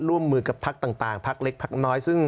ร่วมมือกับพักต่างพักเล็กพักน้อยซึ่ง